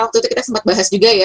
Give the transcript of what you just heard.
waktu itu kita sempat bahas juga ya